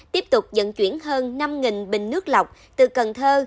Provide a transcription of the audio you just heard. tiếp tục dẫn chuyển hơn năm bình nước lọc từ cần thơ